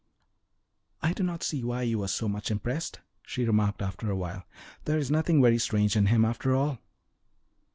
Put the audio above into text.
"I do not see why you were so much impressed," she remarked after a while. "There is nothing very strange in him after all."